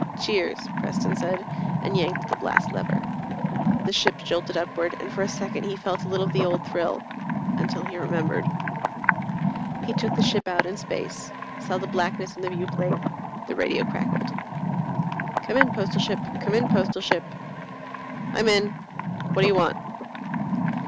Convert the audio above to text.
"Cheers," Preston said, and yanked the blast lever. The ship jolted upward, and for a second he felt a little of the old thrill until he remembered. He took the ship out in space, saw the blackness in the viewplate. The radio crackled. "Come in, Postal Ship. Come in, Postal Ship." "I'm in. What do you want?"